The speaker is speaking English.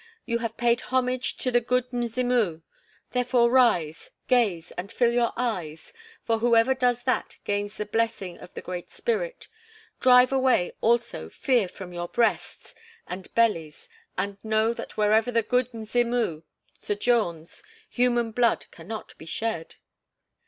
You have paid homage to the 'Good Mzimu'; therefore rise, gaze, and fill your eyes, for whoever does that gains the blessing of the Great Spirit. Drive away, also, fear from your breasts and bellies and know that wherever the 'Good Mzimu' sojourns, human blood cannot be shed."